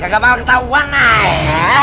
kagak malah ketauan lah ya